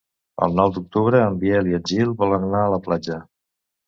El nou d'octubre en Biel i en Gil volen anar a la platja.